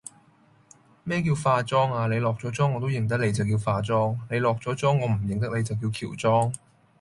咩叫化妝啊，你落左妝我都認得你就叫化妝，你落左裝我唔認得你就叫喬裝!